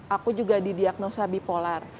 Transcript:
aku juga didiagnosa bipolar